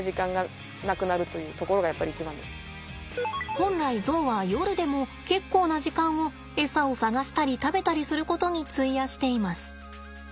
本来ゾウは夜でも結構な時間をエサを探したり食べたりすることに費やしています。